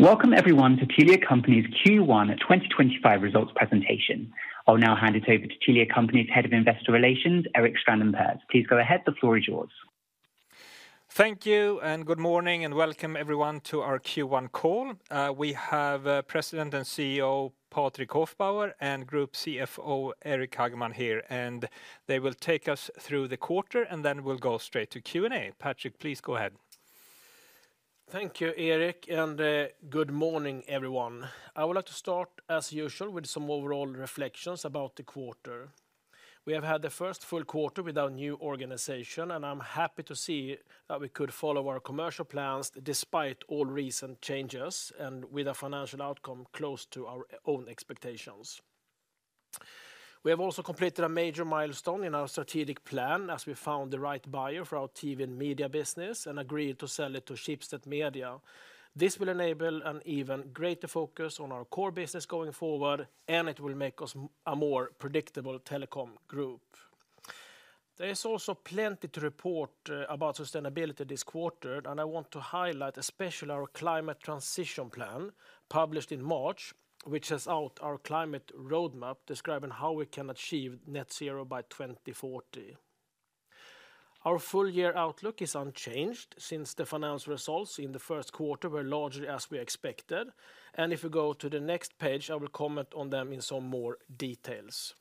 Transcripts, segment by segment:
Welcome, everyone, to Telia Company's Q1 2025 results presentation. I'll now hand it over to Telia Company's Head of Investor Relations, Erik Strandin Pers. Please go ahead, the floor is yours. Thank you, and good morning, and welcome, everyone, to our Q1 call. We have President and CEO Patrik Hofbauer and Group CFO Eric Hageman here, and they will take us through the quarter, and then we'll go straight to Q&A. Patrik, please go ahead. Thank you, Erik, and good morning, everyone. I would like to start, as usual, with some overall reflections about the quarter. We have had the first full quarter with our new organization, and I'm happy to see that we could follow our commercial plans despite all recent changes and with a financial outcome close to our own expectations. We have also completed a major milestone in our strategic plan as we found the right buyer for our TV and media business and agreed to sell it to Schibsted Media. This will enable an even greater focus on our core business going forward, and it will make us a more predictable telecom group. There is also plenty to report about sustainability this quarter, and I want to highlight especially our climate transition plan published in March, which has out our climate roadmap describing how we can achieve net zero by 2040. Our full-year outlook is unchanged since the finance results in the first quarter were largely as we expected, and if you go to the next page, I will comment on them in some more details.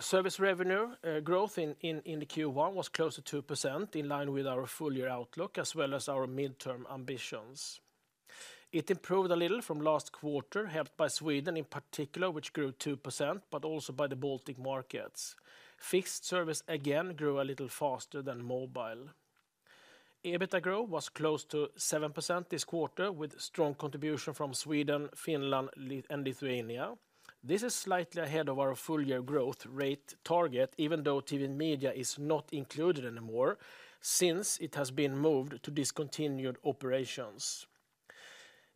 Service revenue growth in Q1 was close to 2%, in line with our full-year outlook, as well as our midterm ambitions. It improved a little from last quarter, helped by Sweden in particular, which grew 2%, but also by the Baltic markets. Fixed service again grew a little faster than mobile. EBITDA growth was close to 7% this quarter, with strong contribution from Sweden, Finland, and Lithuania. This is slightly ahead of our full-year growth rate target, even though TV and media is not included anymore since it has been moved to discontinued operations.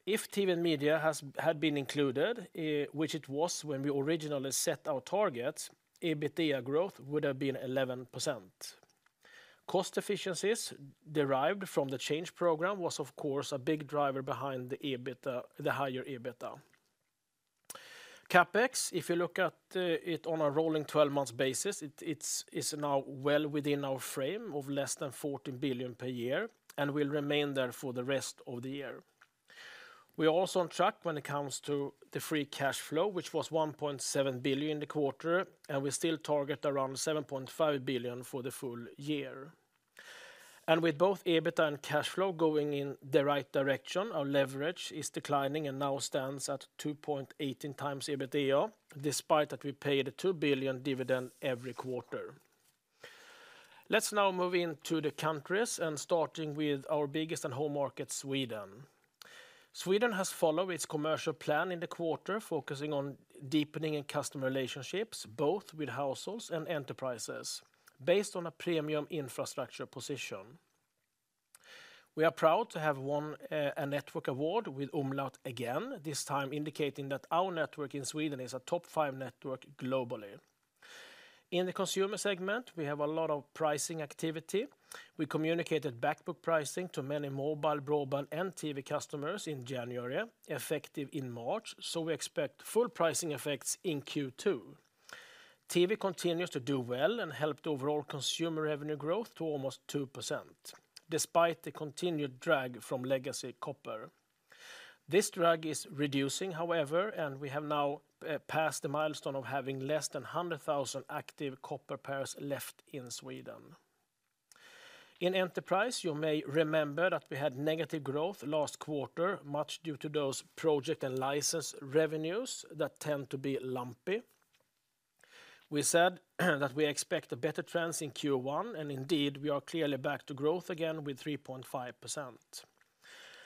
If TV and media had been included, which it was when we originally set our targets, EBITDA growth would have been 11%. Cost efficiencies derived from the change program was, of course, a big driver behind the higher EBITDA. CapEx, if you look at it on a rolling 12-month basis, it is now well within our frame of less than 14 billion per year and will remain there for the rest of the year. We are also on track when it comes to the free cash flow, which was 1.7 billion in the quarter, and we still target around 7.5 billion for the full year. With both EBITDA and cash flow going in the right direction, our leverage is declining and now stands at 2.18 times EBITDA, despite that we paid a 2 billion dividend every quarter. Let's now move into the countries, and starting with our biggest and home market, Sweden. Sweden has followed its commercial plan in the quarter, focusing on deepening customer relationships, both with households and enterprises, based on a premium infrastructure position. We are proud to have won a network award with Umlaut again, this time indicating that our network in Sweden is a top five network globally. In the consumer segment, we have a lot of pricing activity. We communicated back-book pricing to many mobile, global, and TV customers in January, effective in March, so we expect full pricing effects in Q2. TV continues to do well and helped overall consumer revenue growth to almost 2%, despite the continued drag from legacy copper. This drag is reducing, however, and we have now passed the milestone of having less than 100,000 active copper pairs left in Sweden. In enterprise, you may remember that we had negative growth last quarter, much due to those project and license revenues that tend to be lumpy. We said that we expect a better trend in Q1, and indeed we are clearly back to growth again with 3.5%.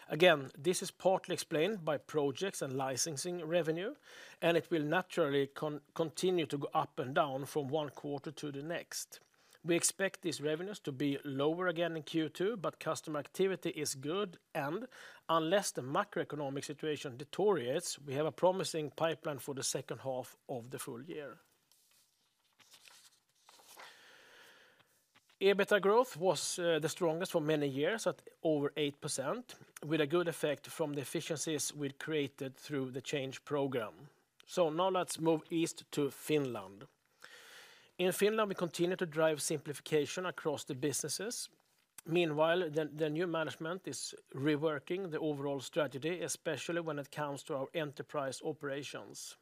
Again, this is partly explained by projects and licensing revenue, and it will naturally continue to go up and down from one quarter to the next. We expect these revenues to be lower again in Q2, but customer activity is good, and unless the macroeconomic situation deteriorates, we have a promising pipeline for the second half of the full year. EBITDA growth was the strongest for many years at over 8%, with a good effect from the efficiencies we created through the change program. Now let's move east to Finland. In Finland, we continue to drive simplification across the businesses. Meanwhile, the new management is reworking the overall strategy, especially when it comes to our enterprise operations.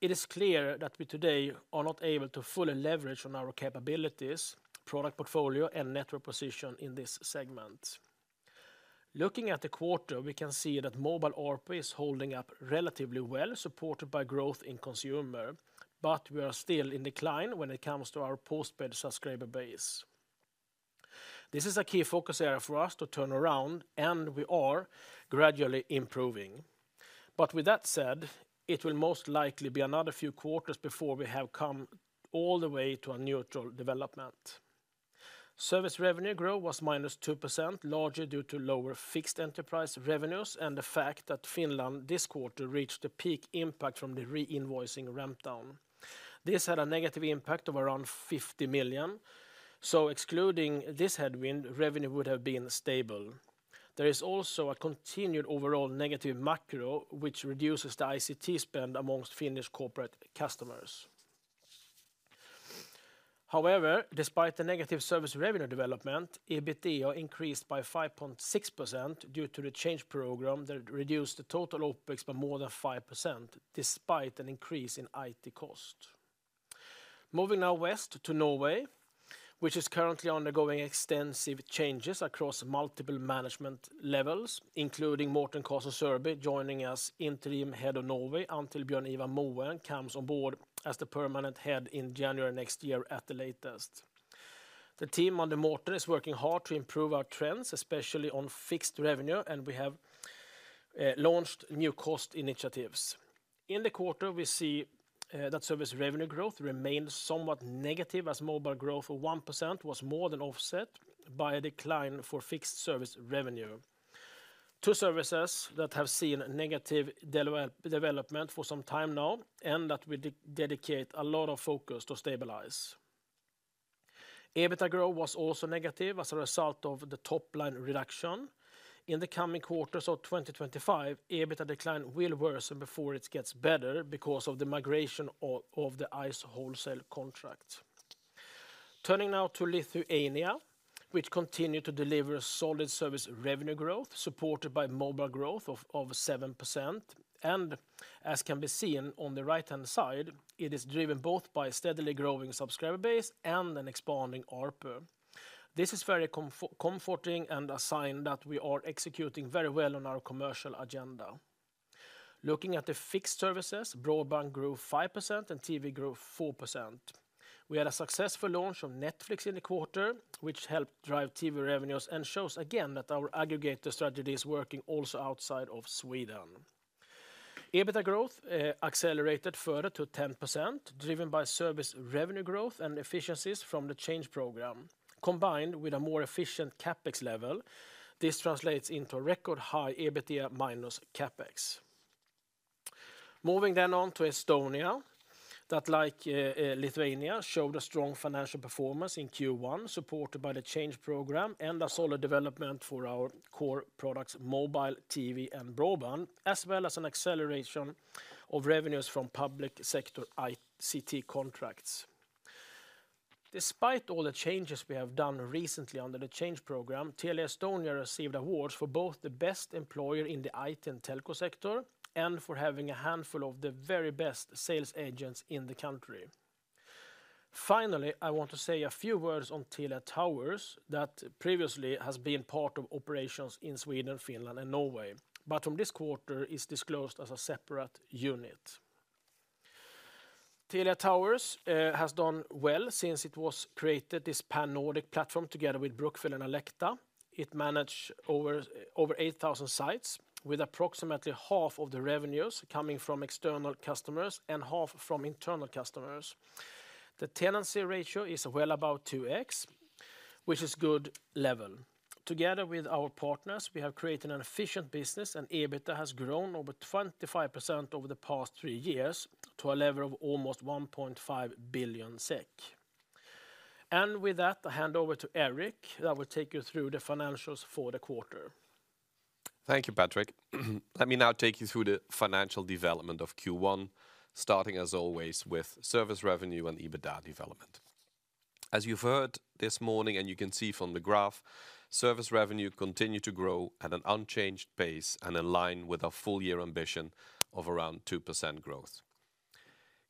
It is clear that we today are not able to fully leverage on our capabilities, product portfolio, and network position in this segment. Looking at the quarter, we can see that mobile ARPA is holding up relatively well, supported by growth in consumer, but we are still in decline when it comes to our postpaid subscriber base. This is a key focus area for us to turn around, and we are gradually improving. With that said, it will most likely be another few quarters before we have come all the way to a neutral development. Service revenue growth was -2%, largely due to lower fixed enterprise revenues and the fact that Finland this quarter reached a peak impact from the reinvoicing ramp down. This had a negative impact of around 50 million, so excluding this headwind, revenue would have been stable. There is also a continued overall negative macro, which reduces the ICT spend amongst Finnish corporate customers. However, despite the negative service revenue development, EBITDA increased by 5.6% due to the change program that reduced the total OPEX by more than 5%, despite an increase in IT cost. Moving now west to Norway, which is currently undergoing extensive changes across multiple management levels, including Morten Karlsen Sørby joining us, Interim Head of Norway, until Bjørn Ivar Moen comes on board as the permanent head in January next year at the latest. The team under Morten is working hard to improve our trends, especially on fixed revenue, and we have launched new cost initiatives. In the quarter, we see that service revenue growth remained somewhat negative as mobile growth of 1% was more than offset by a decline for fixed service revenue. Two services that have seen negative development for some time now and that we dedicate a lot of focus to stabilize. EBITDA growth was also negative as a result of the top line reduction. In the coming quarters of 2025, EBITDA decline will worsen before it gets better because of the migration of the ICE wholesale contract. Turning now to Lithuania, which continued to deliver solid service revenue growth supported by mobile growth of 7%, and as can be seen on the right-hand side, it is driven both by a steadily growing subscriber base and an expanding ARPA. This is very comforting and a sign that we are executing very well on our commercial agenda. Looking at the fixed services, broadband grew 5% and TV grew 4%. We had a successful launch of Netflix in the quarter, which helped drive TV revenues and shows again that our aggregator strategy is working also outside of Sweden. EBITDA growth accelerated further to 10%, driven by service revenue growth and efficiencies from the change program. Combined with a more efficient CapEx level, this translates into a record high EBITDA minus CapEx. Moving then on to Estonia, that like Lithuania showed a strong financial performance in Q1, supported by the change program and a solid development for our core products, mobile TV and broadband, as well as an acceleration of revenues from public sector ICT contracts. Despite all the changes we have done recently under the change program, Telia Estonia received awards for both the best employer in the IT and telco sector and for having a handful of the very best sales agents in the country. Finally, I want to say a few words on Telia Towers, that previously has been part of operations in Sweden, Finland, and Norway, but from this quarter is disclosed as a separate unit. Telia Towers has done well since it was created, this pan-Nordic platform together with Brookfield and Alecta. It managed over 8,000 sites, with approximately half of the revenues coming from external customers and half from internal customers. The tenancy ratio is well above 2x, which is a good level. Together with our partners, we have created an efficient business, and EBITDA has grown over 25% over the past three years to a level of almost 1.5 billion SEK. With that, I hand over to Eric that will take you through the financials for the quarter. Thank you, Patrick. Let me now take you through the financial development of Q1, starting as always with service revenue and EBITDA development. As you've heard this morning, and you can see from the graph, service revenue continued to grow at an unchanged pace and in line with our full-year ambition of around 2% growth.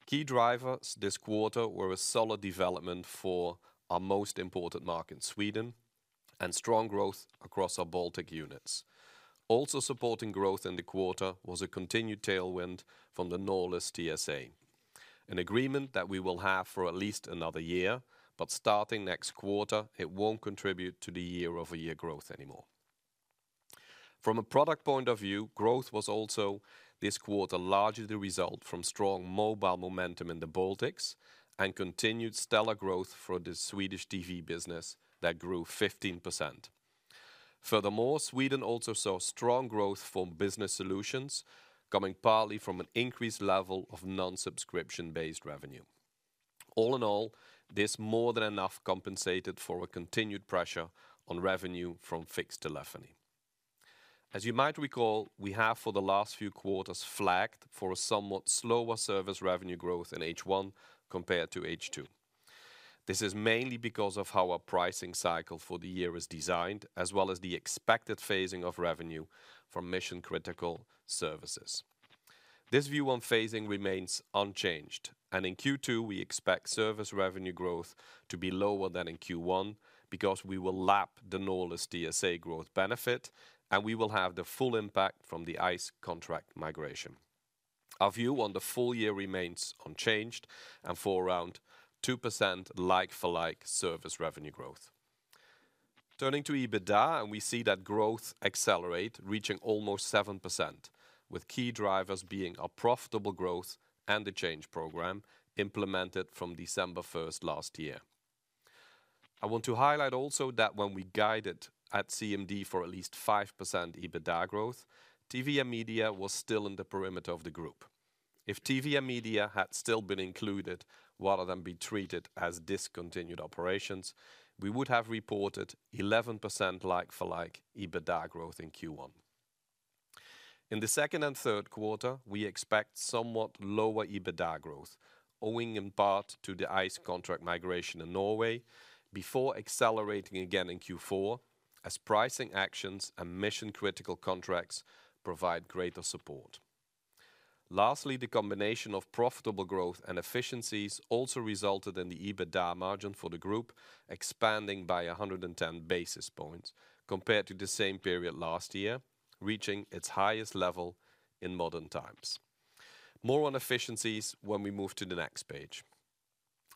Key drivers this quarter were a solid development for our most important market, Sweden, and strong growth across our Baltic units. Also supporting growth in the quarter was a continued tailwind from the Norlys TSA, an agreement that we will have for at least another year, but starting next quarter, it won't contribute to the year-over-year growth anymore. From a product point of view, growth was also this quarter largely the result from strong mobile momentum in the Baltics and continued stellar growth for the Swedish TV business that grew 15%. Furthermore, Sweden also saw strong growth from business solutions coming partly from an increased level of non-subscription-based revenue. All in all, this more than enough compensated for a continued pressure on revenue from fixed telephony. As you might recall, we have for the last few quarters flagged for a somewhat slower service revenue growth in H1 compared to H2. This is mainly because of how our pricing cycle for the year is designed, as well as the expected phasing of revenue from mission-critical services. This view on phasing remains unchanged, and in Q2, we expect service revenue growth to be lower than in Q1 because we will lap the Norlys TSA growth benefit, and we will have the full impact from the ICE contract migration. Our view on the full year remains unchanged and for around 2% like-for-like service revenue growth. Turning to EBITDA, we see that growth accelerate, reaching almost 7%, with key drivers being our profitable growth and the change program implemented from December 1 last year. I want to highlight also that when we guided at CMD for at least 5% EBITDA growth, TV and media was still in the perimeter of the group. If TV and media had still been included, rather than be treated as discontinued operations, we would have reported 11% like-for-like EBITDA growth in Q1. In the second and third quarter, we expect somewhat lower EBITDA growth, owing in part to the ICE contract migration in Norway, before accelerating again in Q4 as pricing actions and mission-critical contracts provide greater support. Lastly, the combination of profitable growth and efficiencies also resulted in the EBITDA margin for the group expanding by 110 basis points compared to the same period last year, reaching its highest level in modern times. More on efficiencies when we move to the next page.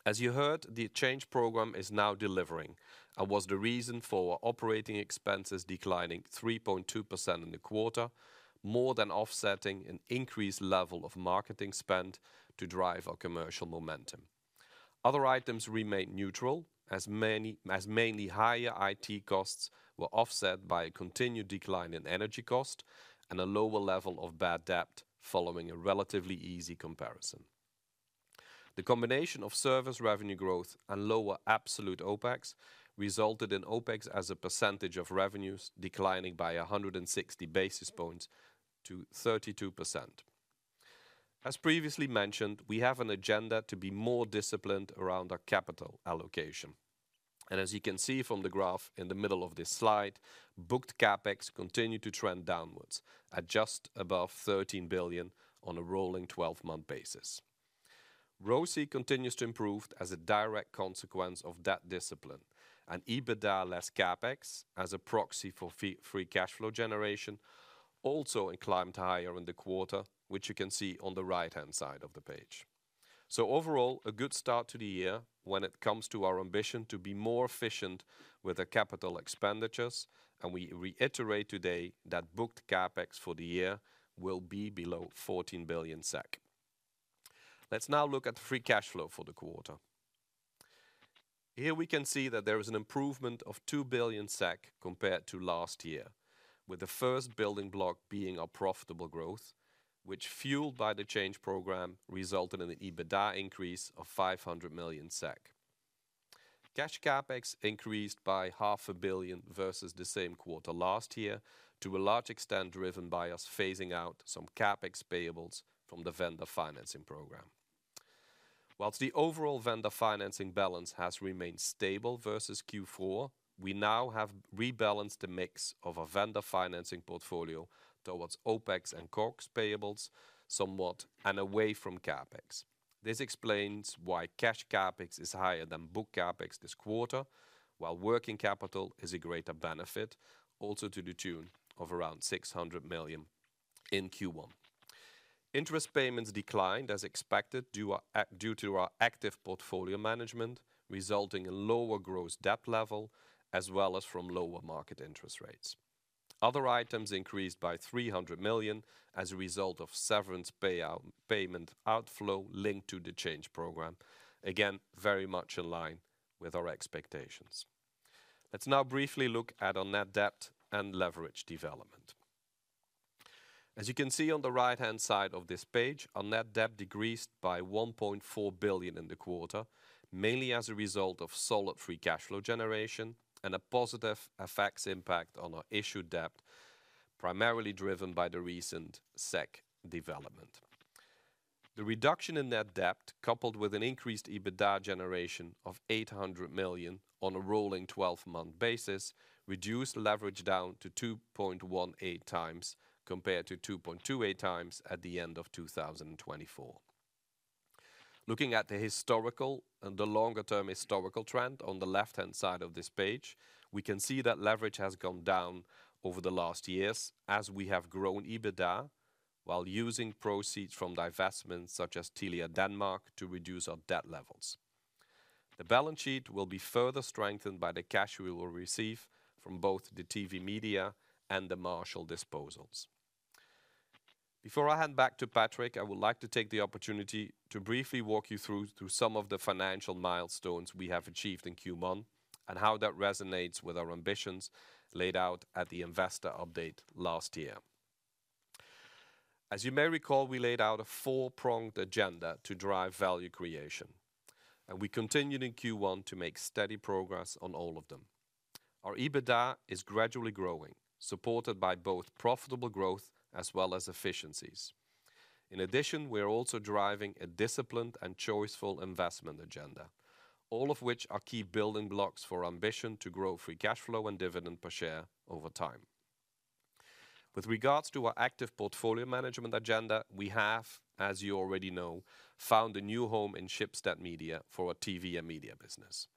As you heard, the change program is now delivering and was the reason for our operating expenses declining 3.2% in the quarter, more than offsetting an increased level of marketing spend to drive our commercial momentum. Other items remained neutral, as mainly higher IT costs were offset by a continued decline in energy cost and a lower level of bad debt following a relatively easy comparison. The combination of service revenue growth and lower absolute OPEX resulted in OPEX as a percentage of revenues declining by 160 basis points to 32%. As previously mentioned, we have an agenda to be more disciplined around our capital allocation. As you can see from the graph in the middle of this slide, booked CapEx continued to trend downwards at just above 13 billion on a rolling 12-month basis. ROCE continues to improve as a direct consequence of that discipline, and EBITDA less CapEx as a proxy for free cash flow generation also inclined to higher in the quarter, which you can see on the right-hand side of the page. Overall, a good start to the year when it comes to our ambition to be more efficient with our capital expenditures, and we reiterate today that booked CapEx for the year will be below 14 billion SEK. Let's now look at the free cash flow for the quarter. Here we can see that there is an improvement of 2 billion SEK compared to last year, with the first building block being our profitable growth, which fueled by the change program resulted in an EBITDA increase of 500 million SEK. Cash CapEx increased by 500 million versus the same quarter last year to a large extent driven by us phasing out some CapEx payables from the vendor financing program. Whilst the overall vendor financing balance has remained stable versus Q4, we now have rebalanced the mix of our vendor financing portfolio towards OPEX and COGS payables somewhat and away from CapEx. This explains why cash CapEx is higher than book CapEx this quarter, while working capital is a greater benefit, also to the tune of around 600 million in Q1. Interest payments declined as expected due to our active portfolio management, resulting in lower gross debt level as well as from lower market interest rates. Other items increased by 300 million as a result of severance payment outflow linked to the change program, again very much in line with our expectations. Let's now briefly look at our net debt and leverage development. As you can see on the right-hand side of this page, our net debt decreased by 1.4 billion in the quarter, mainly as a result of solid free cash flow generation and a positive effects impact on our issued debt, primarily driven by the recent SEK development. The reduction in net debt, coupled with an increased EBITDA generation of 800 million on a rolling 12-month basis, reduced leverage down to 2.18x compared to 2.28x at the end of 2024. Looking at the historical and the longer-term historical trend on the left-hand side of this page, we can see that leverage has gone down over the last years as we have grown EBITDA while using proceeds from divestments such as Telia Denmark to reduce our debt levels. The balance sheet will be further strengthened by the cash we will receive from both the TV media and the Marshall disposals. Before I hand back to Patrik, I would like to take the opportunity to briefly walk you through some of the financial milestones we have achieved in Q1 and how that resonates with our ambitions laid out at the investor update last year. As you may recall, we laid out a four-pronged agenda to drive value creation, and we continued in Q1 to make steady progress on all of them. Our EBITDA is gradually growing, supported by both profitable growth as well as efficiencies. In addition, we are also driving a disciplined and choiceful investment agenda, all of which are key building blocks for our ambition to grow free cash flow and dividend per share over time. With regards to our active portfolio management agenda, we have, as you already know, found a new home in Schibsted Media for our TV and media business.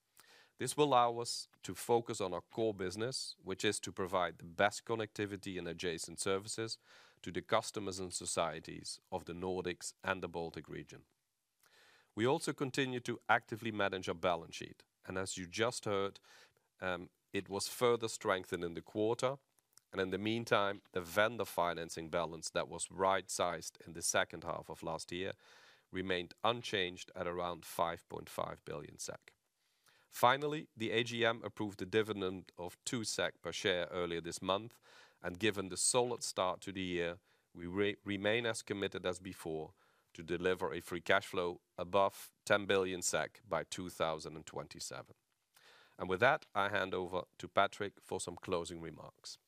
This will allow us to focus on our core business, which is to provide the best connectivity and adjacent services to the customers and societies of the Nordics and the Baltic region. We also continue to actively manage our balance sheet, and as you just heard, it was further strengthened in the quarter. In the meantime, the vendor financing balance that was right-sized in the second half of last year remained unchanged at around 5.5 billion SEK. Finally, the AGM approved a dividend of 2 SEK per share earlier this month, and given the solid start to the year, we remain as committed as before to deliver a free cash flow above 10 billion SEK by 2027. With that, I hand over to Patrik for some closing remarks.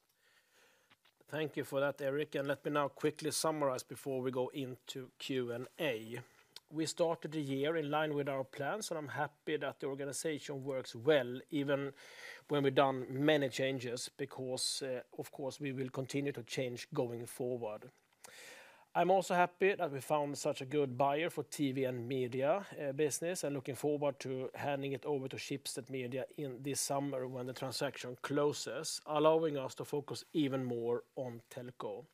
Thank you for that, Eric, and let me now quickly summarize before we go into Q&A. We started the year in line with our plans, and I'm happy that the organization works well even when we've done many changes because, of course, we will continue to change going forward. I'm also happy that we found such a good buyer for TV and media business and looking forward to handing it over to Schibsted Media in this summer when the transaction closes, allowing us to focus even more on telco.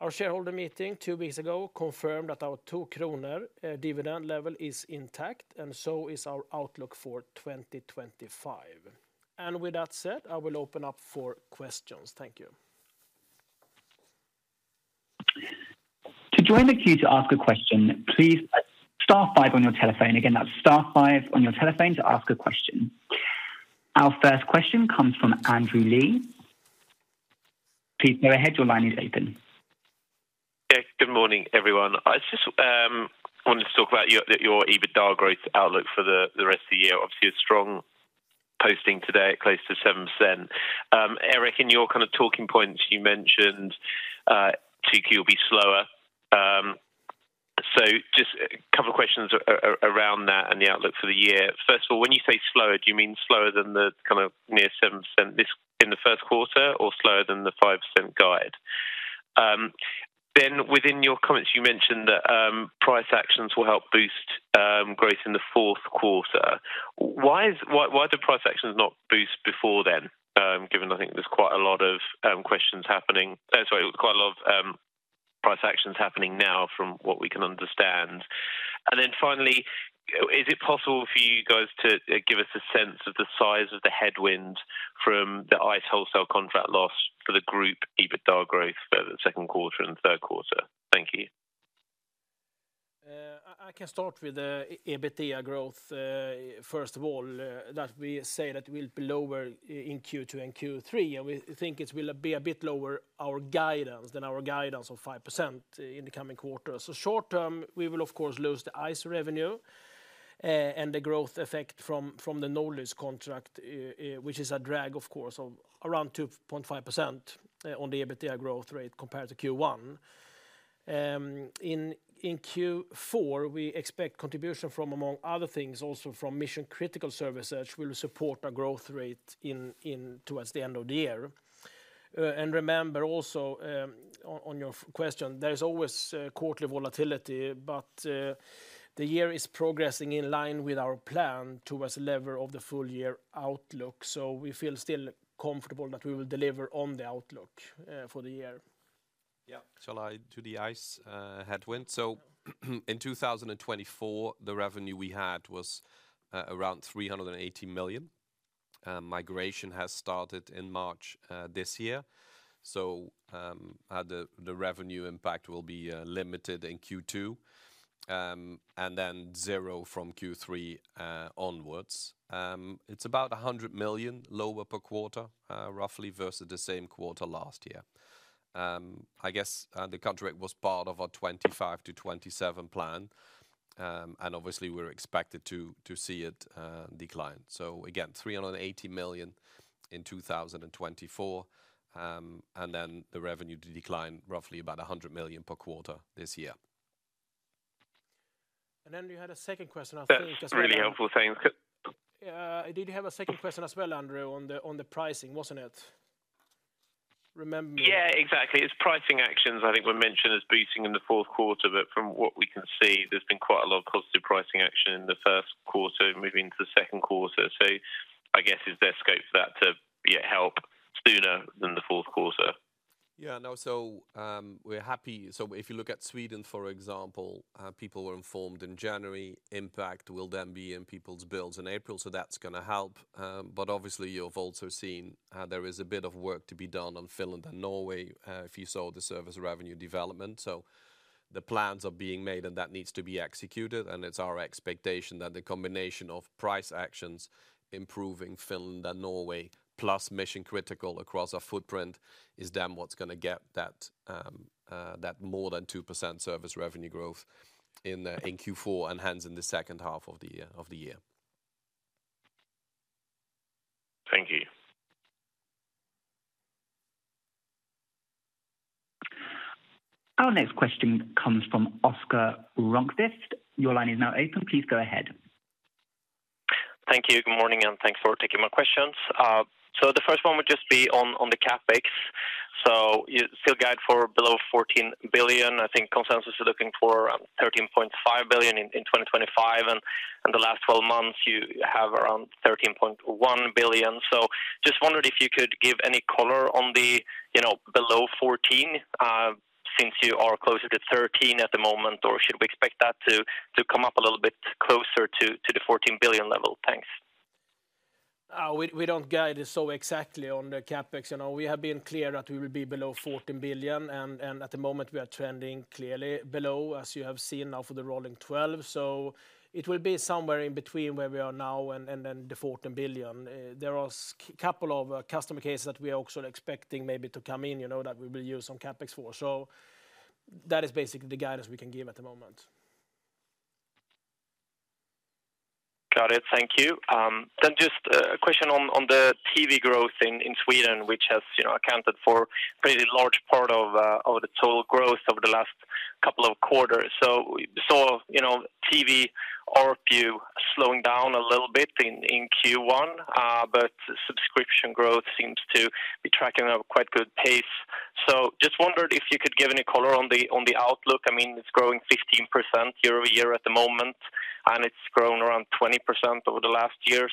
Our shareholder meeting two weeks ago confirmed that our 2 kronor dividend level is intact, and so is our outlook for 2025. With that said, I will open up for questions. Thank you. To join the queue to ask a question, please star five on your telephone. Again, that's star five on your telephone to ask a question. Our first question comes from Andrew Lee. Please go ahead. Your line is open. Okay, good morning, everyone. I just wanted to talk about your EBITDA growth outlook for the rest of the year. Obviously, a strong posting today, close to 7%. Eric, in your kind of talking points, you mentioned Q2 will be slower. Just a couple of questions around that and the outlook for the year. First of all, when you say slower, do you mean slower than the kind of near 7% in the first quarter or slower than the 5% guide? Within your comments, you mentioned that price actions will help boost growth in the fourth quarter. Why did price actions not boost before then, given I think there's quite a lot of questions happening? Sorry, quite a lot of price actions happening now from what we can understand. Is it possible for you guys to give us a sense of the size of the headwinds from the ICE wholesale contract loss for the group EBITDA growth for the second quarter and third quarter? Thank you. I can start with EBITDA growth. First of all, that we say that it will be lower in Q2 and Q3, and we think it will be a bit lower than our guidance of 5% in the coming quarter. Short term, we will, of course, lose the ICE revenue and the growth effect from the Norlys contract, which is a drag, of course, of around 2.5% on the EBITDA growth rate compared to Q1. In Q4, we expect contribution from, among other things, also from mission-critical services which will support our growth rate towards the end of the year. Remember also, on your question, there is always quarterly volatility, but the year is progressing in line with our plan towards the level of the full year outlook. We feel still comfortable that we will deliver on the outlook for the year. Yeah, shall I do the ICE headwind? In 2024, the revenue we had was around 380 million. Migration has started in March this year. The revenue impact will be limited in Q2 and then zero from Q3 onwards. It's about 100 million lower per quarter, roughly, versus the same quarter last year. I guess the contract was part of our 2025 to 2027 plan, and obviously, we're expected to see it decline. Again, 380 million in 2024, and then the revenue declined roughly about 100 million per quarter this year. Andrew, you had a second question as well. Really helpful things. Did you have a second question as well, Andrew, on the pricing, was it not? Remember? Yeah, exactly. It's pricing actions I think were mentioned as boosting in the fourth quarter, but from what we can see, there's been quite a lot of positive pricing action in the first quarter moving into the second quarter. I guess is there scope for that to help sooner than the fourth quarter? Yeah, no, so we're happy. If you look at Sweden, for example, people were informed in January, impact will then be in people's bills in April, so that's going to help. Obviously, you've also seen there is a bit of work to be done on Finland and Norway if you saw the service revenue development. The plans are being made and that needs to be executed, and it's our expectation that the combination of price actions improving Finland and Norway plus mission-critical across our footprint is then what's going to get that more than 2% service revenue growth in Q4 and hands in the second half of the year. Thank you. Our next question comes from Oscar Rönkqvist. Your line is now open. Please go ahead. Thank you. Good morning and thanks for taking my questions. The first one would just be on the CapEx. You still guide for below 14 billion. I think consensus is looking for around 13.5 billion in 2025, and in the last 12 months, you have around 13.1 billion. I just wondered if you could give any color on the below 14 billion since you are closer to 13 billion at the moment, or should we expect that to come up a little bit closer to the 14 billion level? Thanks. We do not guide so exactly on the CapEx. We have been clear that we will be below 14 billion, and at the moment, we are trending clearly below, as you have seen now for the rolling 12. It will be somewhere in between where we are now and then the 14 billion. There are a couple of customer cases that we are also expecting maybe to come in that we will use some CapEx for. That is basically the guidance we can give at the moment. Got it. Thank you. Then just a question on the TV growth in Sweden, which has accounted for a pretty large part of the total growth over the last couple of quarters. TV ARPU is slowing down a little bit in Q1, but subscription growth seems to be tracking a quite good pace. I just wondered if you could give any color on the outlook. I mean, it's growing 15% year-over-year at the moment, and it's grown around 20% over the last year.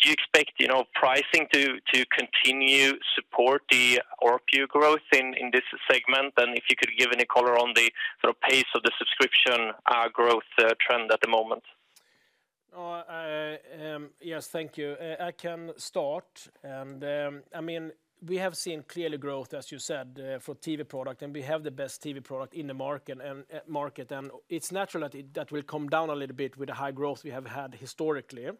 Do you expect pricing to continue to support the ARPU growth in this segment? If you could give any color on the pace of the subscription growth trend at the moment. Yes, thank you. I can start. I mean, we have seen clearly growth, as you said, for TV product, and we have the best TV product in the market. It is natural that it will come down a little bit with the high growth we have had historically.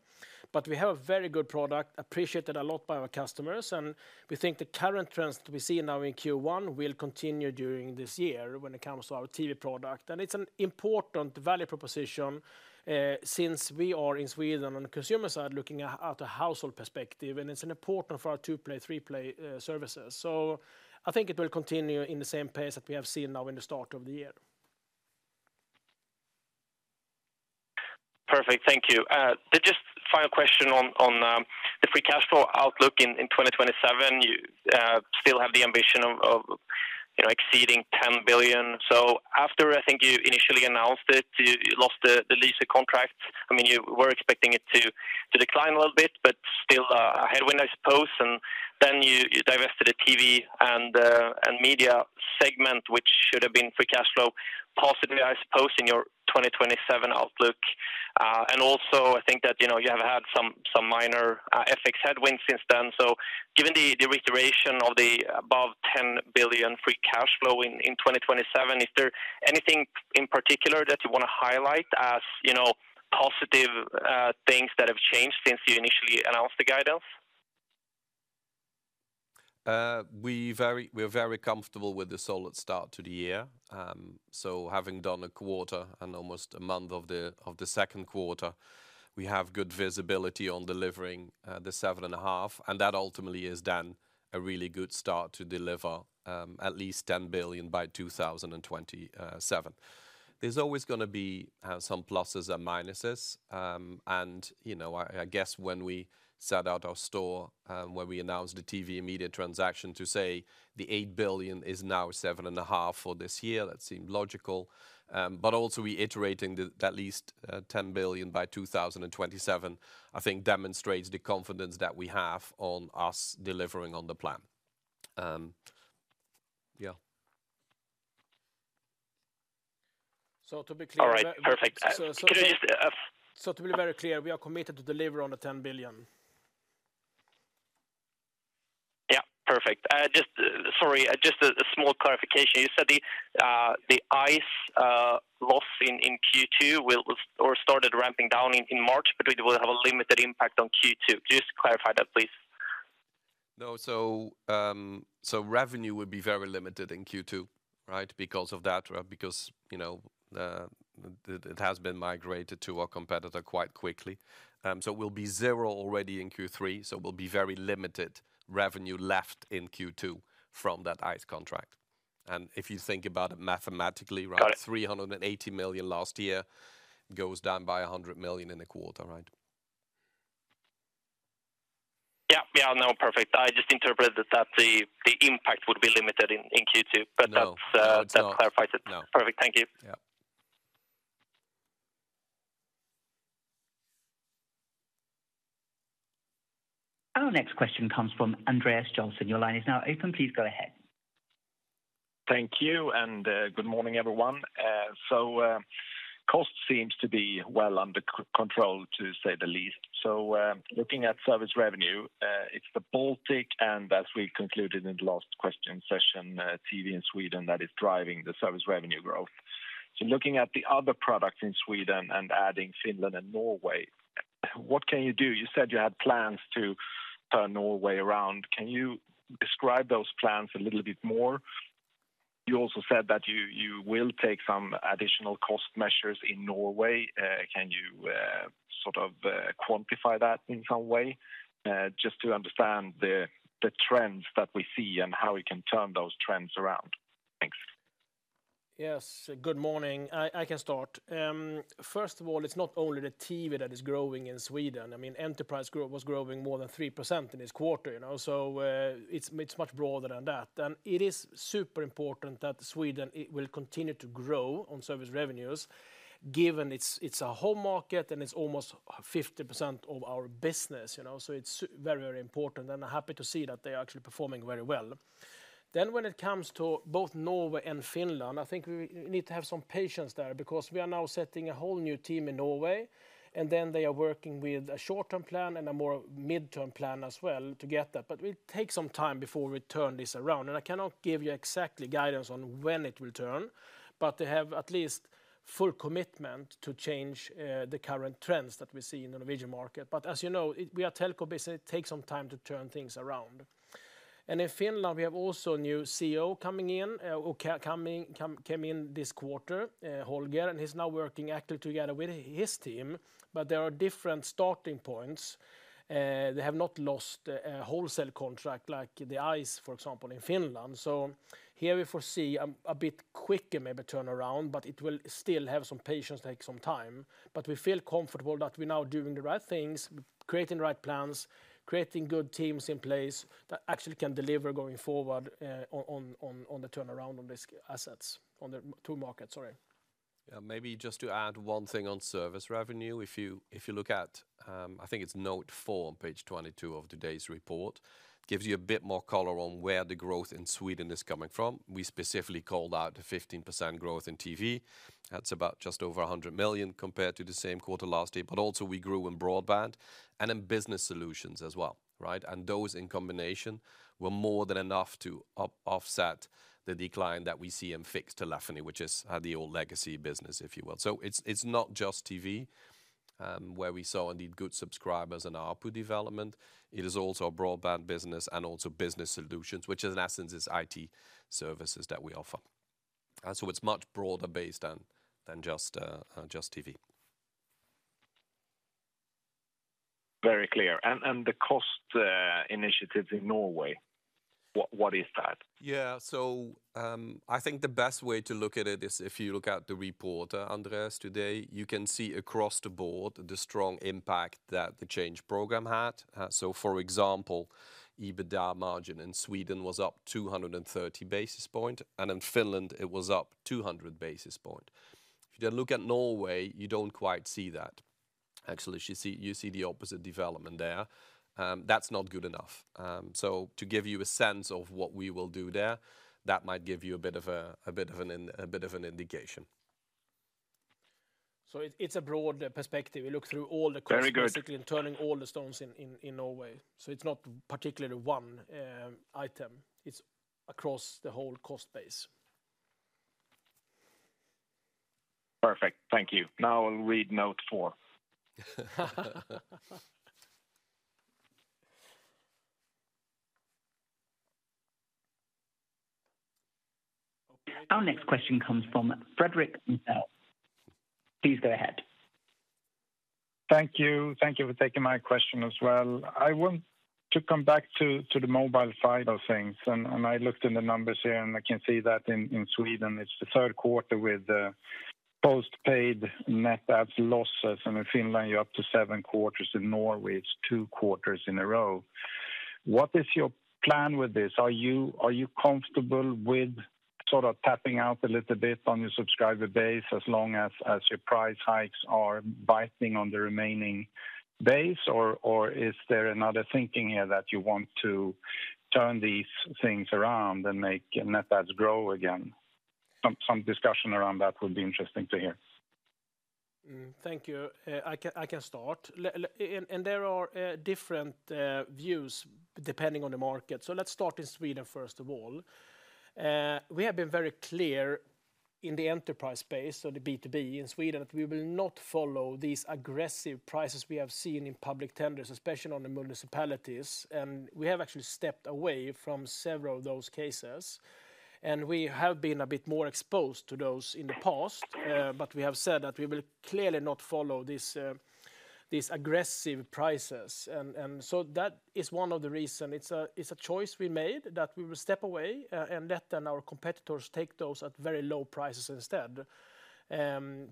We have a very good product, appreciated a lot by our customers, and we think the current trends that we see now in Q1 will continue during this year when it comes to our TV product. It is an important value proposition since we are in Sweden on the consumer side looking at a household perspective, and it is important for our two-play, three-play services. I think it will continue in the same pace that we have seen now in the start of the year. Perfect. Thank you. Just final question on the free cash flow outlook in 2027. You still have the ambition of exceeding 10 billion. After, I think you initially announced it, you lost the lease of contract. I mean, you were expecting it to decline a little bit, but still a headwind, I suppose. You divested the TV and media segment, which should have been free cash flow, possibly, I suppose, in your 2027 outlook. I think that you have had some minor FX headwinds since then. Given the reiteration of the above 10 billion free cash flow in 2027, is there anything in particular that you want to highlight as positive things that have changed since you initially announced the guidance? We're very comfortable with the solid start to the year. Having done a quarter and almost a month of the second quarter, we have good visibility on delivering the 7.5 billion. That ultimately is then a really good start to deliver at least 10 billion by 2027. There's always going to be some pluses and minuses. I guess when we set out our store, when we announced the TV and media transaction to say the 8 billion is now 7.5 billion for this year, that seemed logical. Also reiterating that at least 10 billion by 2027, I think demonstrates the confidence that we have on us delivering on the plan. Yeah. To be clear. All right. Perfect. To be very clear, we are committed to deliver on the 10 billion. Yeah, perfect. Just sorry, just a small clarification. You said the ICE loss in Q2 was or started ramping down in March, but it will have a limited impact on Q2. Could you just clarify that, please? No, revenue would be very limited in Q2, right, because of that, right, because it has been migrated to our competitor quite quickly. It will be zero already in Q3, so there will be very limited revenue left in Q2 from that ICE contract. If you think about it mathematically, right, 380 million last year goes down by 100 million in the quarter, right? Yeah, yeah, no, perfect. I just interpreted that the impact would be limited in Q2, but that clarifies it. Perfect, thank you. Yeah. Our next question comes from Andreas Joelsson. Your line is now open. Please go ahead. Thank you and good morning, everyone. Cost seems to be well under control, to say the least. Looking at service revenue, it's the Baltics, and as we concluded in the last question session, TV in Sweden that is driving the service revenue growth. Looking at the other products in Sweden and adding Finland and Norway, what can you do? You said you had plans to turn Norway around. Can you describe those plans a little bit more? You also said that you will take some additional cost measures in Norway. Can you sort of quantify that in some way? Just to understand the trends that we see and how we can turn those trends around. Thanks. Yes, good morning. I can start. First of all, it's not only the TV that is growing in Sweden. I mean, Enterprise Group was growing more than 3% in this quarter. It is much broader than that. It is super important that Sweden will continue to grow on service revenues, given it's a home market and it's almost 50% of our business. It is very, very important, and I'm happy to see that they are actually performing very well. When it comes to both Norway and Finland, I think we need to have some patience there because we are now setting a whole new team in Norway, and they are working with a short-term plan and a more mid-term plan as well to get that. It will take some time before we turn this around. I cannot give you exactly guidance on when it will turn, but they have at least full commitment to change the current trends that we see in the Norwegian market. As you know, we are a telco business. It takes some time to turn things around. In Finland, we have also a new CEO coming in, who came in this quarter, Holger, and he's now working actively together with his team. There are different starting points. They have not lost a wholesale contract like the ICE, for example, in Finland. Here we foresee a bit quicker maybe turnaround, but it will still have some patience, take some time. We feel comfortable that we're now doing the right things, creating the right plans, creating good teams in place that actually can deliver going forward on the turnaround on these assets, on the two markets, sorry. Yeah, maybe just to add one thing on service revenue. If you look at, I think it's note 4 on page 22 of today's report, it gives you a bit more color on where the growth in Sweden is coming from. We specifically called out the 15% growth in TV. That's about just over 100 million compared to the same quarter last year. We grew in broadband and in business solutions as well, right? Those in combination were more than enough to offset the decline that we see in fixed telephony, which is the old legacy business, if you will. It's not just TV, where we saw indeed good subscribers and output development. It is also a broadband business and also business solutions, which in essence is IT services that we offer. It's much broader based than just TV. Very clear. The cost initiatives in Norway, what is that? Yeah, so I think the best way to look at it is if you look at the report, Andreas, today, you can see across the board the strong impact that the change program had. For example, EBITDA margin in Sweden was up 230 basis points, and in Finland, it was up 200 basis points. If you then look at Norway, you do not quite see that. Actually, you see the opposite development there. That is not good enough. To give you a sense of what we will do there, that might give you a bit of an indication. It is a broad perspective. We look through all the cost basically and turning all the stones in Norway. It is not particularly one item. It is across the whole cost base. Perfect. Thank you. Now I'll read note four. Our next question comes from Fredrik Lithel. Please go ahead. Thank you. Thank you for taking my question as well. I want to come back to the mobile side of things. I looked in the numbers here, and I can see that in Sweden, it's the third quarter with post-paid net asset losses. In Finland, you're up to seven quarters. In Norway, it's two quarters in a row. What is your plan with this? Are you comfortable with sort of tapping out a little bit on your subscriber base as long as your price hikes are biting on the remaining base? Or is there another thinking here that you want to turn these things around and make net assets grow again? Some discussion around that would be interesting to hear. Thank you. I can start. There are different views depending on the market. Let's start in Sweden first of all. We have been very clear in the enterprise space, so the B2B in Sweden, that we will not follow these aggressive prices we have seen in public tenders, especially on the municipalities. We have actually stepped away from several of those cases. We have been a bit more exposed to those in the past, but we have said that we will clearly not follow these aggressive prices. That is one of the reasons. It's a choice we made that we will step away and let our competitors take those at very low prices instead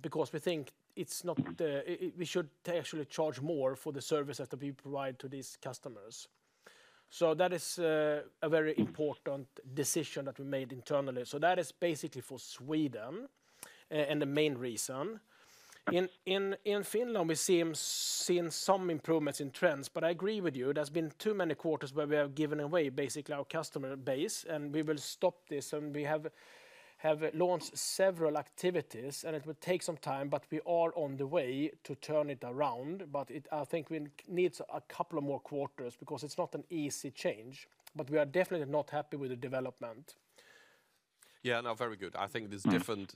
because we think we should actually charge more for the services that we provide to these customers. That is a very important decision that we made internally. That is basically for Sweden and the main reason. In Finland, we seem to have seen some improvements in trends, but I agree with you. There's been too many quarters where we have given away basically our customer base, and we will stop this. We have launched several activities, and it will take some time, but we are on the way to turn it around. I think we need a couple of more quarters because it's not an easy change, but we are definitely not happy with the development. Yeah, no, very good. I think there's different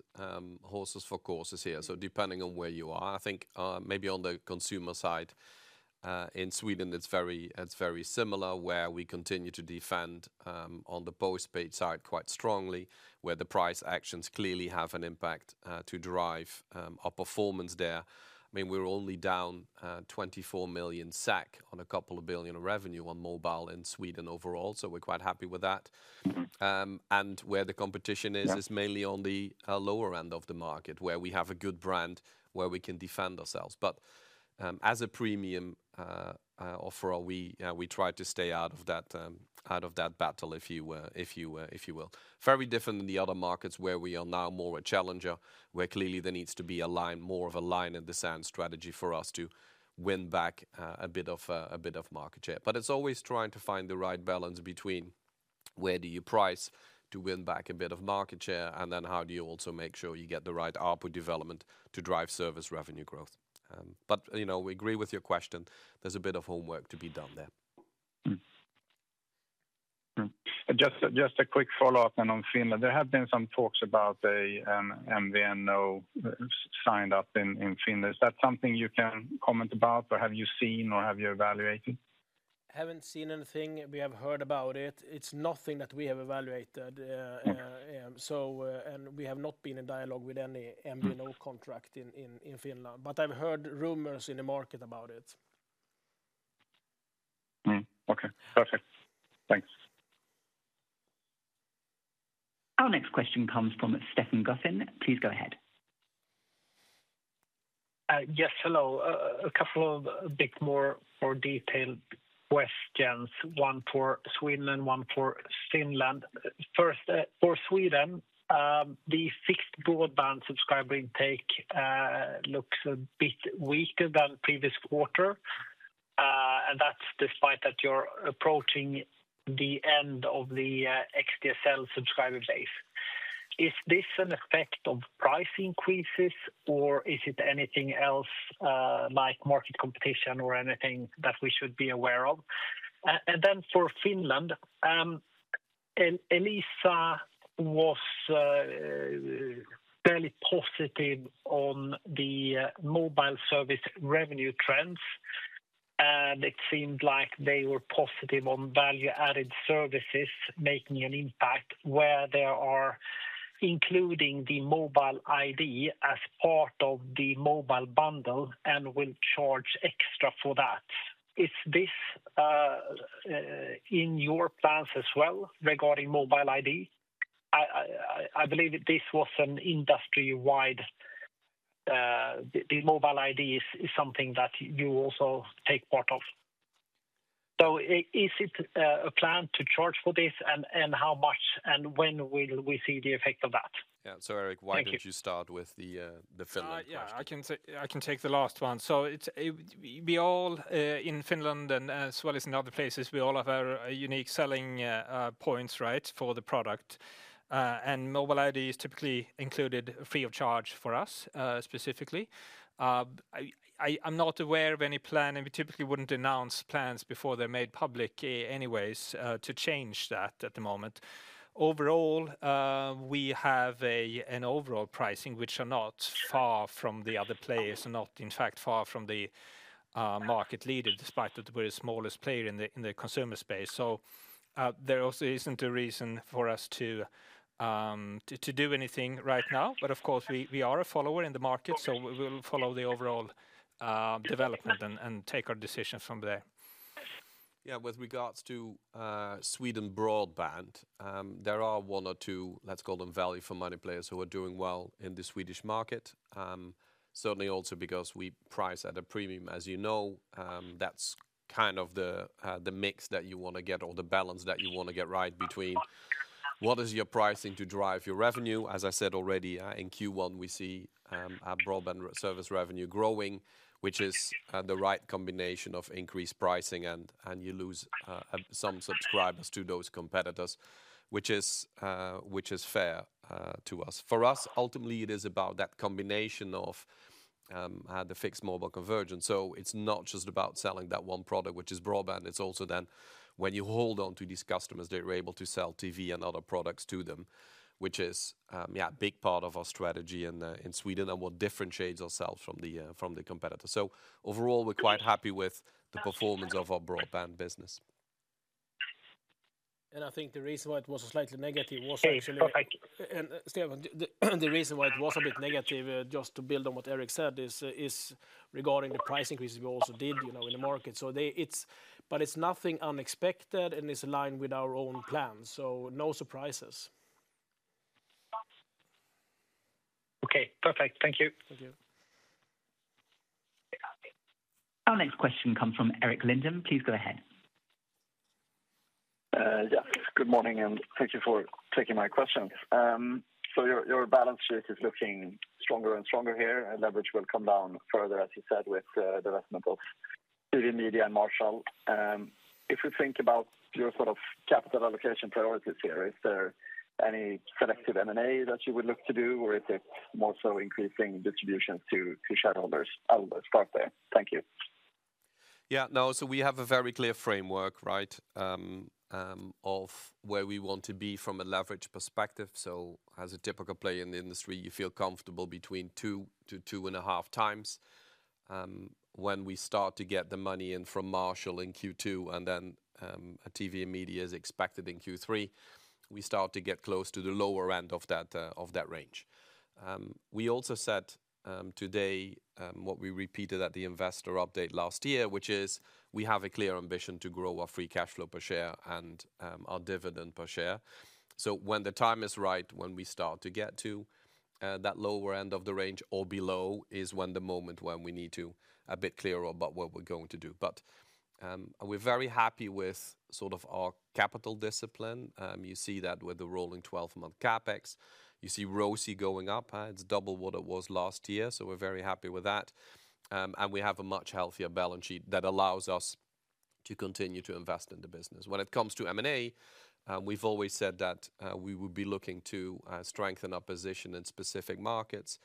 horses for courses here. Depending on where you are, I think maybe on the consumer side in Sweden, it's very similar where we continue to defend on the post-paid side quite strongly, where the price actions clearly have an impact to drive our performance there. I mean, we're only down 24 million on a couple of billion of revenue on mobile in Sweden overall, so we're quite happy with that. Where the competition is, it's mainly on the lower end of the market where we have a good brand where we can defend ourselves. As a premium offer, we try to stay out of that battle, if you will. Very different than the other markets where we are now more a challenger, where clearly there needs to be a line, more of a line in the sand strategy for us to win back a bit of market share. It is always trying to find the right balance between where do you price to win back a bit of market share, and then how do you also make sure you get the right output development to drive service revenue growth. We agree with your question. There is a bit of homework to be done there. Just a quick follow-up on Finland. There have been some talks about an MVNO signed up in Finland. Is that something you can comment about, or have you seen, or have you evaluated? Haven't seen anything. We have heard about it. It's nothing that we have evaluated. We have not been in dialogue with any MVNO contract in Finland. I've heard rumors in the market about it. Okay, perfect. Thanks. Our next question comes from Stefan Gauffin. Please go ahead. Yes, hello. A couple of bit more detailed questions, one for Sweden, one for Finland. First, for Sweden, the fixed broadband subscriber intake looks a bit weaker than previous quarter. That is despite that you're approaching the end of the xDSL subscriber base. Is this an effect of price increases, or is it anything else like market competition or anything that we should be aware of? For Finland, Elisa was fairly positive on the mobile service revenue trends. It seemed like they were positive on value-added services making an impact where they are including the mobile ID as part of the mobile bundle and will charge extra for that. Is this in your plans as well regarding mobile ID? I believe this was an industry-wide mobile ID is something that you also take part of. Is it a plan to charge for this, and how much, and when will we see the effect of that? Yeah, so Eric, why don't you start with the Finland question? I can take the last one. We all in Finland, as well as in other places, we all have our unique selling points, right, for the product. Mobile ID is typically included free of charge for us specifically. I'm not aware of any plan, and we typically wouldn't announce plans before they're made public anyways, to change that at the moment. Overall, we have an overall pricing, which is not far from the other players, are not in fact far from the market leader despite that we're the smallest player in the consumer space. There also isn't a reason for us to do anything right now. Of course, we are a follower in the market, so we will follow the overall development and take our decision from there. Yeah, with regards to Sweden broadband, there are one or two, let's call them value for money players who are doing well in the Swedish market. Certainly also because we price at a premium, as you know, that's kind of the mix that you want to get or the balance that you want to get right between what is your pricing to drive your revenue. As I said already, in Q1, we see broadband service revenue growing, which is the right combination of increased pricing, and you lose some subscribers to those competitors, which is fair to us. For us, ultimately, it is about that combination of the fixed mobile convergence. It is not just about selling that one product, which is broadband. It's also then when you hold on to these customers, they're able to sell TV and other products to them, which is a big part of our strategy in Sweden and what differentiates ourselves from the competitor. Overall, we're quite happy with the performance of our broadband business. I think the reason why it was slightly negative was actually. Stefan, the reason why it was a bit negative, just to build on what Eric said, is regarding the price increases we also did in the market. It is nothing unexpected, and it is aligned with our own plans. No surprises. Okay, perfect. Thank you. Thank you. Our next question comes from Erik Lindholm. Please go ahead. Yes, good morning, and thank you for taking my question. Your balance sheet is looking stronger and stronger here, and leverage will come down further, as you said, with the development of Sweden Media and Marshall. If we think about your sort of capital allocation priorities here, is there any selective M&A that you would look to do, or is it more so increasing distributions to shareholders? I'll start there. Thank you. Yeah, no, we have a very clear framework, right, of where we want to be from a leverage perspective. As a typical player in the industry, you feel comfortable between two to two and a half times. When we start to get the money in from Marshall in Q2 and then TV and media is expected in Q3, we start to get close to the lower end of that range. We also said today what we repeated at the investor update last year, which is we have a clear ambition to grow our free cash flow per share and our dividend per share. When the time is right, when we start to get to that lower end of the range or below is the moment when we need to be a bit clearer about what we're going to do. We are very happy with sort of our capital discipline. You see that with the rolling 12-month CapEx. You see ROSI going up. It is double what it was last year. We are very happy with that. We have a much healthier balance sheet that allows us to continue to invest in the business. When it comes to M&A, we have always said that we would be looking to strengthen our position in specific markets,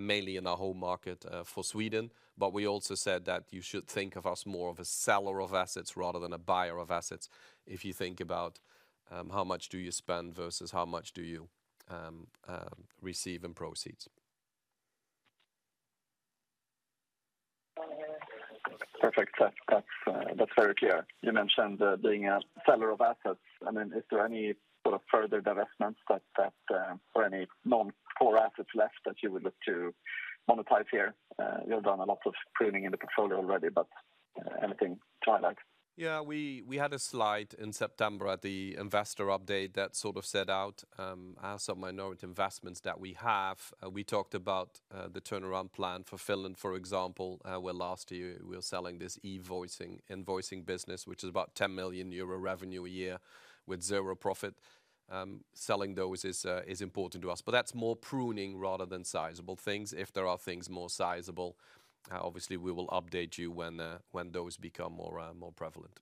mainly in our home market for Sweden. We also said that you should think of us more as a seller of assets rather than a buyer of assets if you think about how much you spend versus how much you receive in proceeds. Perfect. That's very clear. You mentioned being a seller of assets. I mean, is there any sort of further divestments or any non-core assets left that you would look to monetize here? You've done a lot of pruning in the portfolio already, but anything to highlight? Yeah, we had a slide in September at the investor update that sort of set out some minority investments that we have. We talked about the turnaround plan for Finland, for example, where last year we were selling this e-invoicing business, which is about 10 million euro revenue a year with zero profit. Selling those is important to us, but that's more pruning rather than sizable things. If there are things more sizable, obviously we will update you when those become more prevalent.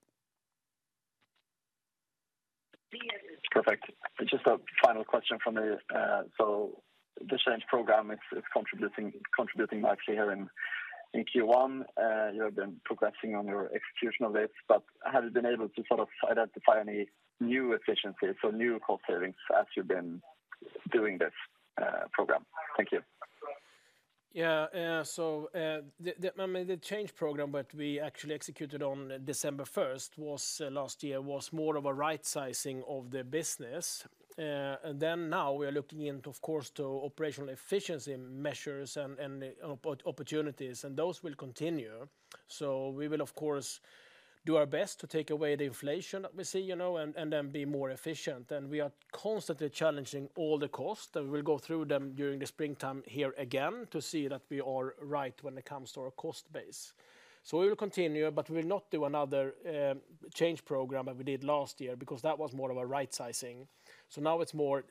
Perfect. Just a final question from me. This change program is contributing nicely here in Q1. You have been progressing on your execution of this, but have you been able to sort of identify any new efficiencies, so new cost savings as you've been doing this program? Thank you. Yeah, the change program that we actually executed on December 1 last year was more of a right-sizing of the business. Now we are looking into, of course, the operational efficiency measures and opportunities, and those will continue. We will, of course, do our best to take away the inflation that we see and then be more efficient. We are constantly challenging all the costs. We will go through them during the springtime here again to see that we are right when it comes to our cost base. We will continue, but we will not do another change program that we did last year because that was more of a right-sizing. Now it's more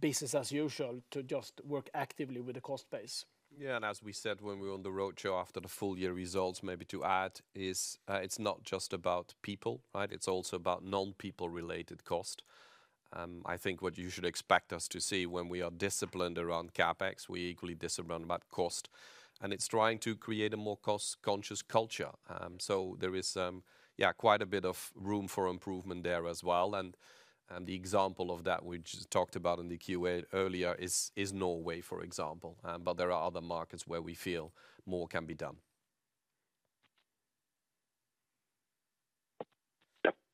business as usual to just work actively with the cost base. Yeah, as we said when we were on the roadshow after the full year results, maybe to add, it's not just about people, right? It's also about non-people-related cost. I think what you should expect us to see when we are disciplined around CapEx, we're equally disciplined about cost. It's trying to create a more cost-conscious culture. There is quite a bit of room for improvement there as well. The example of that we just talked about in the Q&A earlier is Norway, for example. There are other markets where we feel more can be done.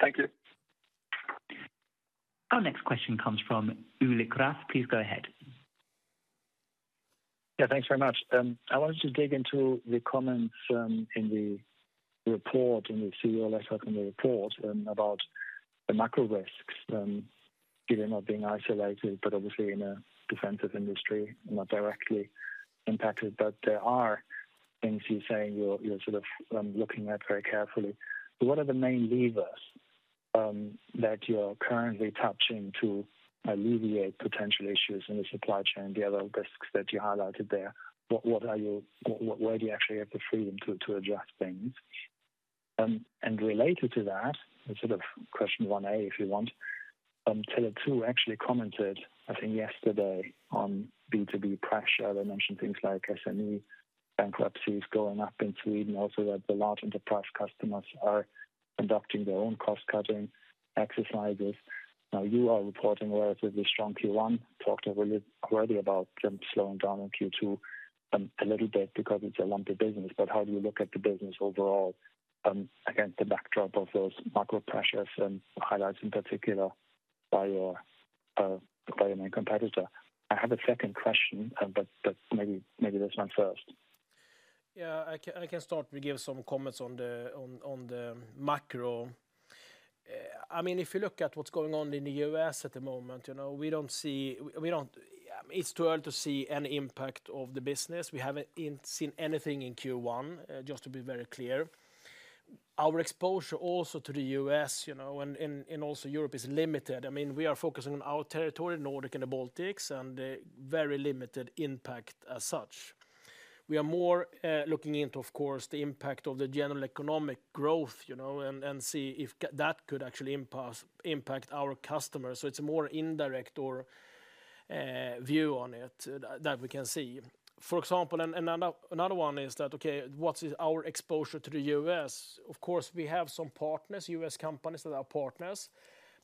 Thank you. Our next question comes from Ule Graf. Please go ahead. Yeah, thanks very much. I wanted to dig into the comments in the report, in the CEO letter from the report about the macro risks. Given not being isolated, but obviously in a defensive industry, not directly impacted, but there are things you're saying you're sort of looking at very carefully. What are the main levers that you're currently touching to alleviate potential issues in the supply chain, the other risks that you highlighted there? Where do you actually have the freedom to adjust things? Related to that, sort of question 1A, if you want, Telenor actually commented, I think, yesterday on B2B pressure. They mentioned things like SME bankruptcies going up in Sweden, also that the large enterprise customers are conducting their own cost-cutting exercises. Now, you are reporting relatively strong Q1. Talked already about them slowing down in Q2 a little bit because it's a lumpy business. How do you look at the business overall against the backdrop of those macro pressures and highlights in particular by your main competitor? I have a second question, but maybe this one first. Yeah, I can start with some comments on the macro. I mean, if you look at what's going on in the U.S. at the moment, we don't see it's too early to see any impact of the business. We haven't seen anything in Q1, just to be very clear. Our exposure also to the U.S. and also Europe is limited. I mean, we are focusing on our territory, Nordic and the Baltics, and very limited impact as such. We are more looking into, of course, the impact of the general economic growth and see if that could actually impact our customers. It is a more indirect view on it that we can see. For example, another one is that, okay, what is our exposure to the U.S.? Of course, we have some partners, U.S. companies that are partners,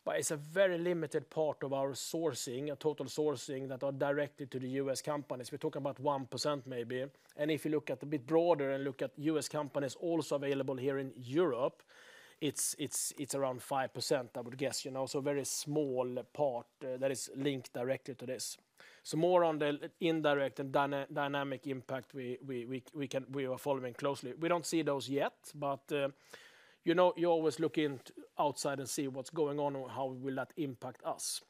but it's a very limited part of our sourcing, total sourcing that are directed to the U.S. companies. We're talking about 1% maybe. If you look at a bit broader and look at U.S. companies also available here in Europe, it's around 5%, I would guess. A very small part that is linked directly to this. More on the indirect and dynamic impact we are following closely. We don't see those yet, but you always look outside and see what's going on and how will that impact us.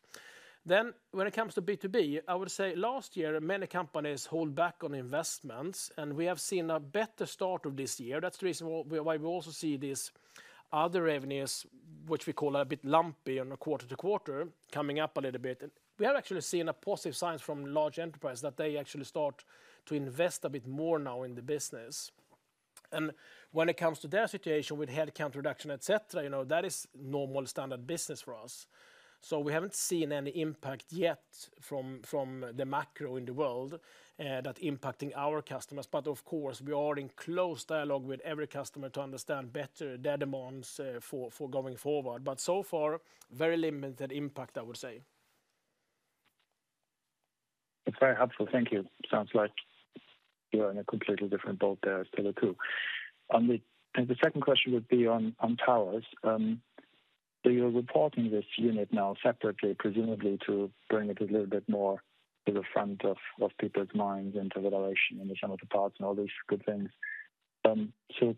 When it comes to B2B, I would say last year many companies held back on investments, and we have seen a better start of this year. That's the reason why we also see these other revenues, which we call a bit lumpy on a quarter to quarter, coming up a little bit. We have actually seen positive signs from large enterprises that they actually start to invest a bit more now in the business. When it comes to their situation with headcount reduction, etc., that is normal standard business for us. We haven't seen any impact yet from the macro in the world that's impacting our customers. Of course, we are in close dialogue with every customer to understand better their demands for going forward. So far, very limited impact, I would say. Very helpful. Thank you. Sounds like you're in a completely different boat there, Tele2. The second question would be on towers. You're reporting this unit now separately, presumably to bring it a little bit more to the front of people's minds and to evaluation and some of the parts and all these good things.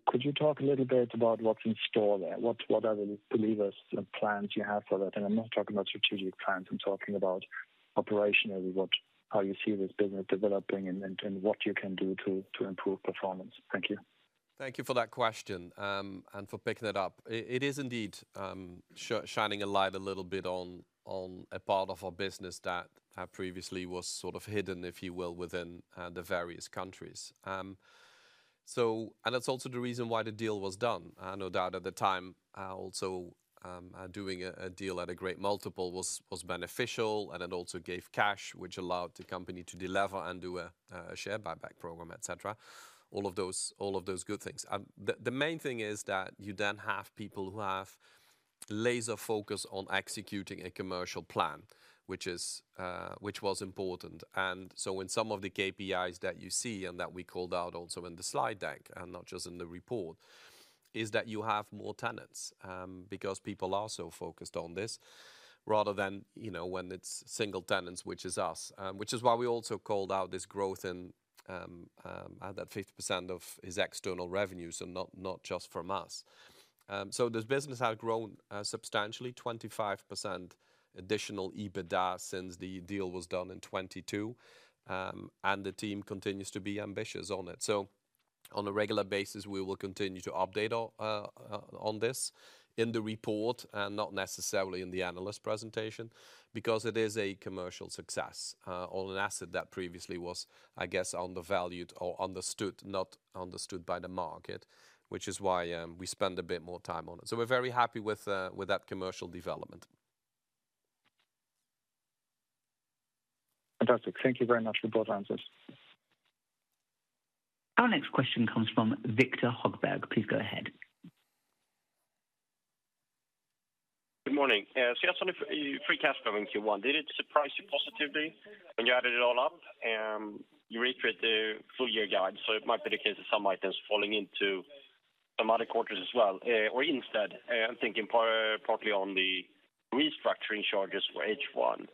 Could you talk a little bit about what's in store there? What are the levers and plans you have for that? I'm not talking about strategic plans. I'm talking about operationally, how you see this business developing and what you can do to improve performance. Thank you. Thank you for that question and for picking it up. It is indeed shining a light a little bit on a part of our business that previously was sort of hidden, if you will, within the various countries. That is also the reason why the deal was done. No doubt at the time, also doing a deal at a great multiple was beneficial and it also gave cash, which allowed the company to deliver and do a share buyback program, etc., all of those good things. The main thing is that you then have people who have laser focus on executing a commercial plan, which was important. In some of the KPIs that you see and that we called out also in the slide deck and not just in the report, you have more tenants because people are so focused on this rather than when it is single tenants, which is us, which is why we also called out this growth in that 50% of its external revenues, not just from us. This business has grown substantially, 25% additional EBITDA since the deal was done in 2022. The team continues to be ambitious on it. On a regular basis, we will continue to update on this in the report and not necessarily in the analyst presentation because it is a commercial success on an asset that previously was, I guess, undervalued or not understood by the market, which is why we spend a bit more time on it. We're very happy with that commercial development. Fantastic. Thank you very much for both answers. Our next question comes from Viktor Högberg. Please go ahead. Good morning. You had some free cash flow in Q1. Did it surprise you positively when you added it all up? You read through the full year guide, so it might be the case that some items are falling into some other quarters as well. I am thinking partly on the restructuring charges for H1.